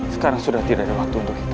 sekarang sudah tidak ada waktu untuk kita